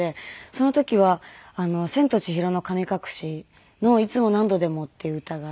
その時は『千と千尋の神隠し』の『いつも何度でも』っていう歌があって。